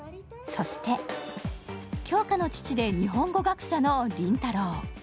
そして杏花の父で日本語学者の林太郎。